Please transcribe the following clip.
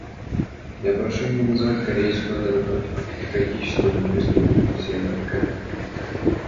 Я прошу его назвать Корейскую Народно-Демократическую Республику «Северной Кореей».